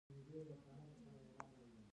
وخت ولې باید ضایع نشي؟